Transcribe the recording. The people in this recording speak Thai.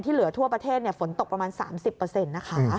เหลือทั่วประเทศฝนตกประมาณ๓๐นะคะ